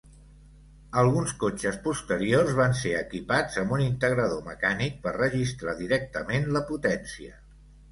Alguns cotxes posteriors van ser equipats amb un integrador mecànic per registrar directament la potència.